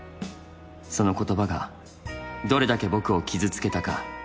その言葉がどれだけ僕を傷つけたか